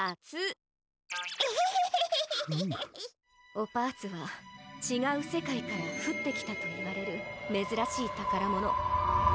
お・パーツはちがうせかいからふってきたといわれるめずらしいたからもの。